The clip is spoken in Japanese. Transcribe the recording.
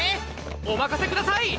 おまかせください！